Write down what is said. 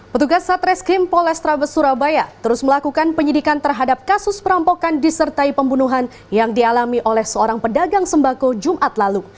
petugas satreskrim polestabes surabaya terus melakukan penyidikan terhadap kasus perampokan disertai pembunuhan yang dialami oleh seorang pedagang sembako jumat lalu